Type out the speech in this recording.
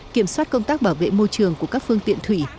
kiểm soát công tác bảo vệ môi trường của các phương tiện thủy